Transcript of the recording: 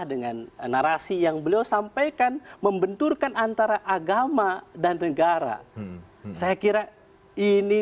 dengan perdayaan negara untuk negara ini